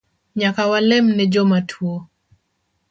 Nyaka walem ne jomatuo